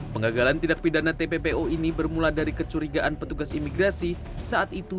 pengagalan tidak pidana tppo ini bermula dari kecurigaan petugas imigrasi saat itu